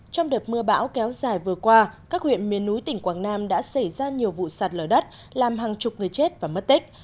trong đợt mưa bão kéo dài vừa qua các huyện miền núi tỉnh quảng nam đã xảy ra nhiều vụ sạt lở đất làm hàng chục người chết và mất tích